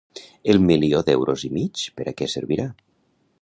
El milió d'euros i mig per a què servirà?